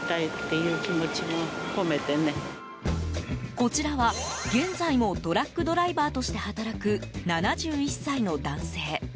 こちらは、現在もトラックドライバーとして働く７１歳の男性。